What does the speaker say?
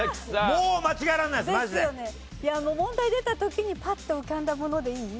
もう問題出た時にパッと浮かんだものでいい？